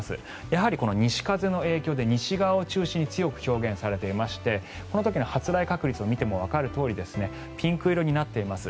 やはり西風の影響で西側を中心に強く表現されていましてこの時の発雷確率を見てもわかるとおりピンク色になっています。